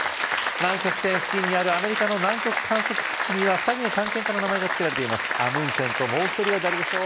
南極点付近にあるアメリカの南極観測基地には２人の探検家の名前が付けられていますアムンセンともう１人は誰でしょう